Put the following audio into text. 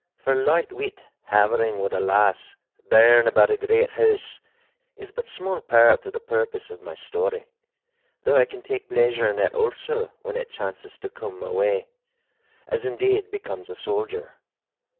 For light wit havering with a lass bairn about a great house is but small part of the purpose of my story—though I can take pleasure in that also when it chances to come my way, as indeed becomes a soldier.